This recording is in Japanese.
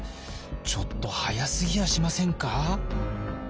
ちょっと早すぎやしませんか？